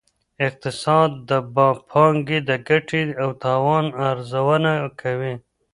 اقتصاد د پانګې د ګټې او تاوان ارزونه کوي.